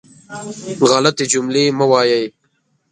غلطې جملې مه وایئ.